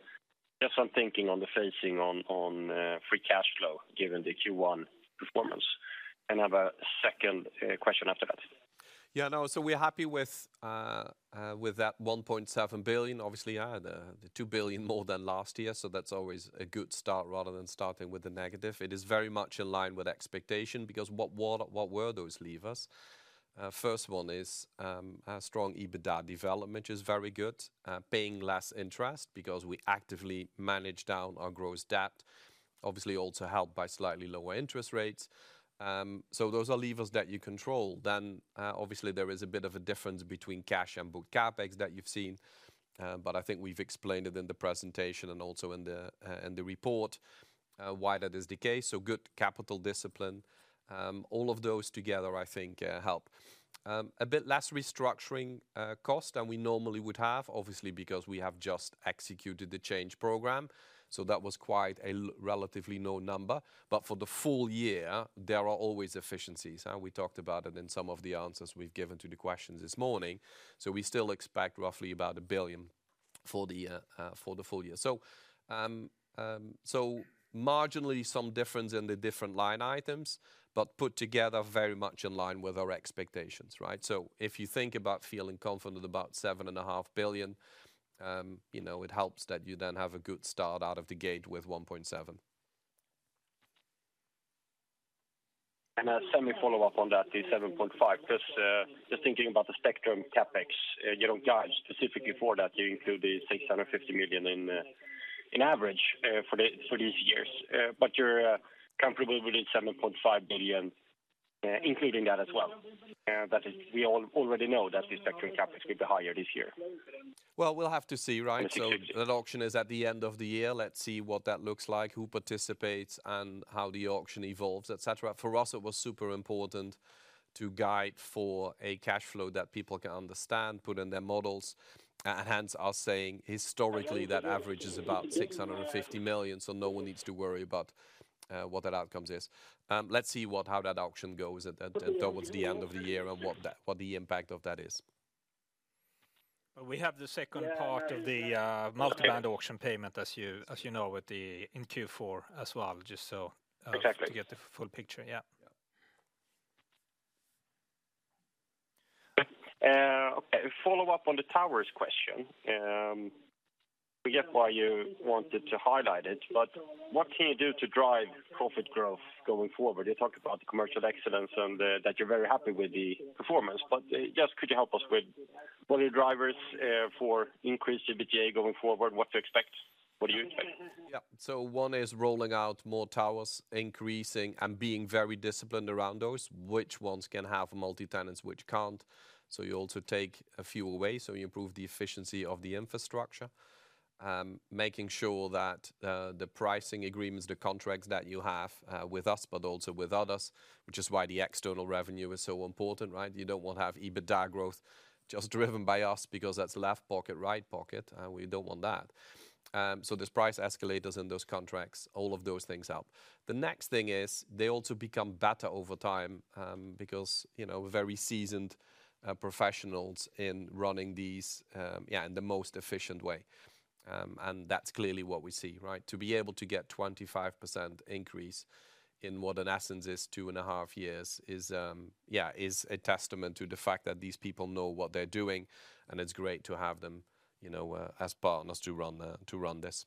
That is what I am thinking on the phasing on free cash flow given the Q1 performance. I have a second question after that. Yeah, no, so we're happy with that 1.7 billion. Obviously, that's 2 billion more than last year. That's always a good start rather than starting with the negative. It is very much in line with expectation because what were those levers? First one is strong EBITDA development, which is very good, paying less interest because we actively manage down our gross debt, obviously also helped by slightly lower interest rates. Those are levers that you control. There is a bit of a difference between cash and book CapEx that you've seen, but I think we've explained it in the presentation and also in the report why that is the case. Good capital discipline, all of those together, I think, help. A bit less restructuring cost than we normally would have, obviously because we have just executed the change program. That was quite a relatively low number. For the full year, there are always efficiencies. We talked about it in some of the answers we have given to the questions this morning. We still expect roughly about 1 billion for the full year. Marginally some difference in the different line items, but put together very much in line with our expectations, right? If you think about feeling confident about 7.5 billion, it helps that you then have a good start out of the gate with 1.7 billion. A semi-follow-up on that, the 7.5, just thinking about the spectrum CapEx, you do not guide specifically for that. You include the 650 million in average for these years. You are comfortable with the 7.5 billion including that as well? We already know that the spectrum CapEx will be higher this year. We'll have to see, right? That auction is at the end of the year. Let's see what that looks like, who participates, and how the auction evolves, etc. For us, it was super important to guide for a cash flow that people can understand, put in their models. Hence, I'll say historically that average is about 650 million, so no one needs to worry about what that outcome is. Let's see how that auction goes towards the end of the year and what the impact of that is. We have the second part of the multi-band auction payment, as you know, in Q4 as well, just to get the full picture. Yeah. Okay. Follow-up on the towers question. Forget why you wanted to highlight it, but what can you do to drive profit growth going forward? You talked about the commercial excellence and that you're very happy with the performance. Just could you help us with what are the drivers for increased EBITDA going forward? What to expect? What do you expect? Yeah. One is rolling out more towers, increasing and being very disciplined around those, which ones can have multi-tenants, which cannot. You also take a few away. You improve the efficiency of the infrastructure, making sure that the pricing agreements, the contracts that you have with us, but also with others, which is why the external revenue is so important, right? You do not want to have EBITDA growth just driven by us because that is left pocket, right pocket. We do not want that. There are price escalators in those contracts, all of those things help. The next thing is they also become better over time because we are very seasoned professionals in running these in the most efficient way. That is clearly what we see, right? To be able to get a 25% increase in what in essence is two and a half years is a testament to the fact that these people know what they're doing. It is great to have them as partners to run this.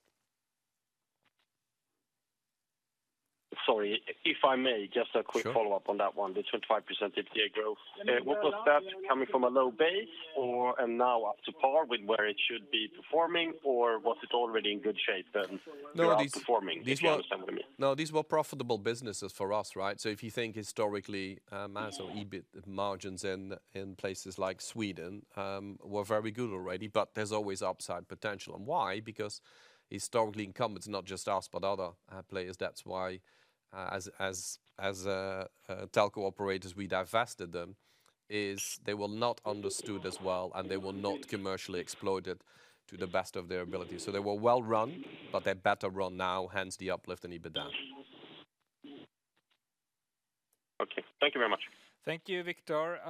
Sorry, if I may, just a quick follow-up on that one, the 25% EBITDA growth. What was that? Coming from a low base and now up to par with where it should be performing, or was it already in good shape and now performing? Do you understand what I mean? No, these were profitable businesses for us, right? If you think historically, EBIT margins in places like Sweden were very good already, but there's always upside potential. Why? Because historically, incumbents, not just us, but other players, that's why as telco operators, we divested them, they were not understood as well, and they were not commercially exploited to the best of their ability. They were well run, but they're better run now, hence the uplift in EBITDA. Okay. Thank you very much. Thank you, Viktor.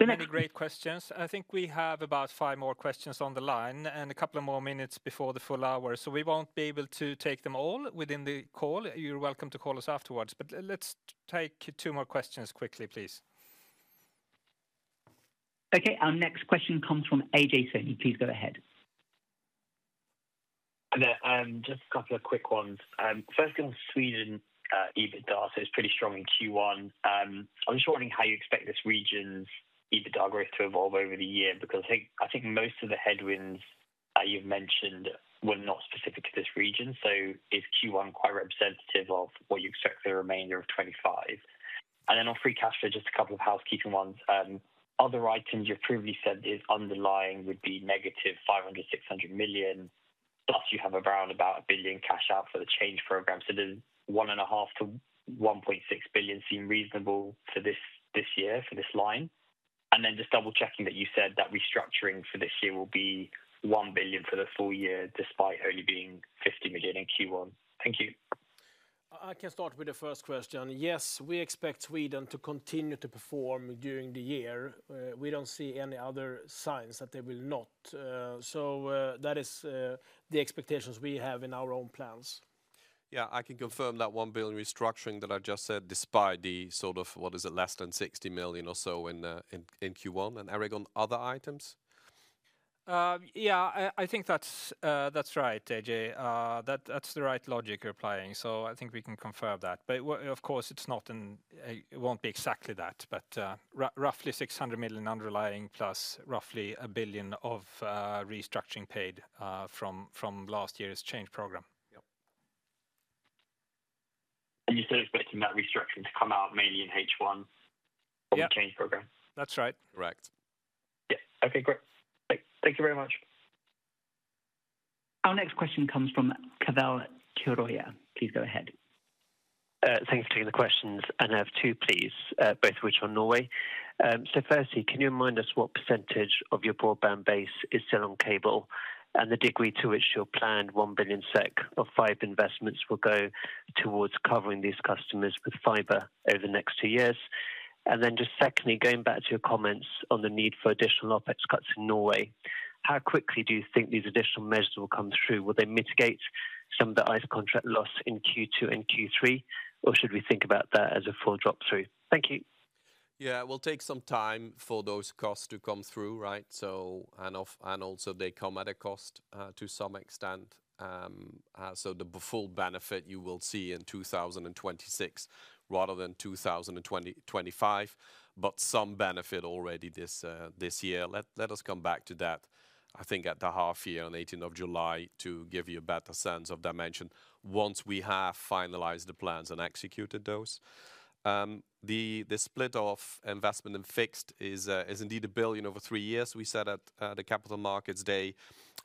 Many great questions. I think we have about five more questions on the line and a couple of more minutes before the full hour. We will not be able to take them all within the call. You are welcome to call us afterwards, but let's take two more questions quickly, please. Okay. Our next question comes from Ajay Soni. Please go ahead. Just a couple of quick ones. First, in Sweden, EBITDA is pretty strong in Q1. I'm just wondering how you expect this region's EBITDA growth to evolve over the year because I think most of the headwinds you've mentioned were not specific to this region. Is Q1 quite representative of what you expect for the remainder of 2025? On free cash flow, just a couple of housekeeping ones. Other items you've previously said is underlying would be negative 500 million-600 million, plus you have around about 1 billion cash out for the change program. Does 1.5 billion to 1.6 billion seem reasonable for this year, for this line? Just double-checking that you said that restructuring for this year will be 1 billion for the full year despite only being 50 million in Q1. Thank you. I can start with the first question. Yes, we expect Sweden to continue to perform during the year. We do not see any other signs that they will not. That is the expectations we have in our own plans. Yeah, I can confirm that 1 billion restructuring that I just said despite the sort of, what is it, less than 60 million or so in Q1. Eric, on other items? Yeah, I think that's right, Ajay That's the right logic you're applying. I think we can confirm that. Of course, it won't be exactly that, but roughly 600 million underlying plus roughly 1 billion of restructuring paid from last year's change program. You said expecting that restructuring to come out mainly in H1 from the change program? Yeah, that's right. Correct. Yes. Okay, great. Thank you very much. Our next question comes from Keval Khiroya. Please go ahead. Thanks for taking the questions. I have two, please, both of which are Norway. Firstly, can you remind us what % of your broadband base is still on cable and the degree to which your planned 1 billion SEK of fiber investments will go towards covering these customers with fiber over the next two years? Just secondly, going back to your comments on the need for additional OPEX cuts in Norway, how quickly do you think these additional measures will come through? Will they mitigate some of the ICE contract loss in Q2 and Q3, or should we think about that as a full drop-through? Thank you. Yeah, it will take some time for those costs to come through, right? And also they come at a cost to some extent. The full benefit you will see in 2026 rather than 2025, but some benefit already this year. Let us come back to that, I think at the half year on 18th of July to give you a better sense of dimension once we have finalized the plans and executed those. The split of investment in fixed is indeed 1 billion over three years, we said at the Capital Markets Day.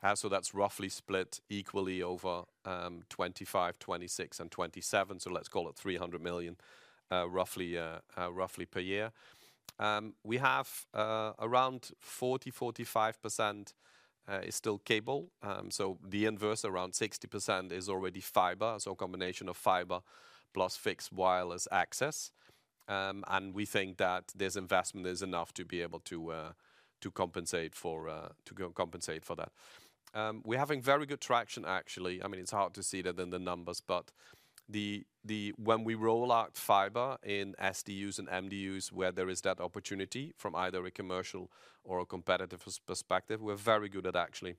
That is roughly split equally over 2025, 2026, and 2027. Let's call it 300 million roughly per year. We have around 40-45% is still cable. The inverse, around 60%, is already fiber, so a combination of fiber plus fixed wireless access. We think that this investment is enough to be able to compensate for that. We're having very good traction, actually. I mean, it's hard to see that in the numbers, but when we roll out fiber in SDUs and MDUs where there is that opportunity from either a commercial or a competitive perspective, we're very good at actually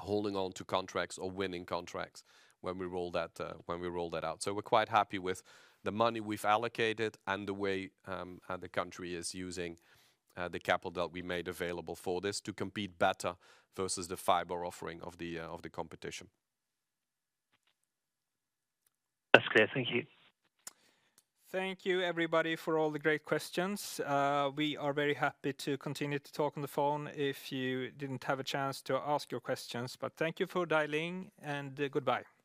holding on to contracts or winning contracts when we roll that out. We are quite happy with the money we've allocated and the way the country is using the capital that we made available for this to compete better versus the fiber offering of the competition. That's clear. Thank you. Thank you, everybody, for all the great questions. We are very happy to continue to talk on the phone if you did not have a chance to ask your questions. Thank you for dialing and goodbye.